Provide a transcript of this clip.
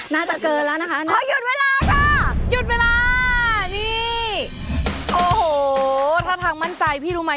น่าจะเกินแล้วนะคะขอหยุดเวลาค่ะหยุดเวลานี่โอ้โหถ้าทางมั่นใจพี่รู้ไหม